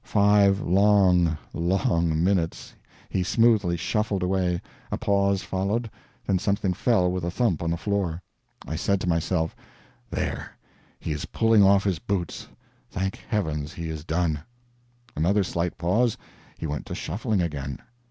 Five long, long minutes he smoothly shuffled away a pause followed, then something fell with a thump on the floor. I said to myself "There he is pulling off his boots thank heavens he is done." Another slight pause he went to shuffling again!